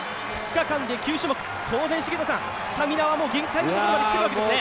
２日間で９種目、当然スタミナは限界にきてるわけですね。